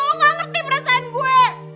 lo gak ngerti perasaan gue